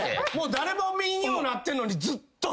誰も見んようになってんのにずっとよ。